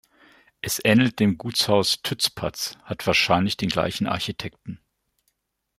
Es ähnelt dem Gutshaus Tützpatz, hat wahrscheinlich den gleichen Architekten.